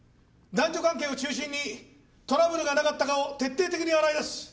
男女関係を中心にトラブルがなかったかを徹底的に洗い出す。